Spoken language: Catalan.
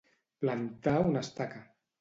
Plantar una estaca.